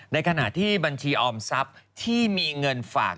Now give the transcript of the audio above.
ในขณะที่บัญชีออมทรัพย์ที่มีเงินฝาก